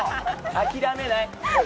諦めない！